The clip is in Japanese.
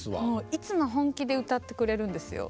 いつも本気で歌ってくれるんですよ。